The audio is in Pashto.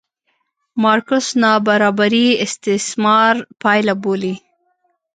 مارکس نابرابري استثمار پایله بولي.